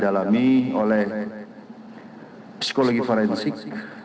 didalami oleh psikologi forensik